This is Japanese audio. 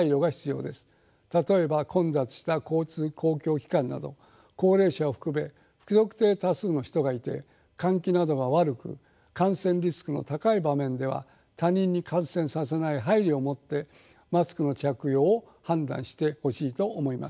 例えば混雑した公共交通機関など高齢者を含め不特定多数の人がいて換気などが悪く感染リスクの高い場面では他人に感染させない配慮をもってマスクの着用を判断してほしいと思います。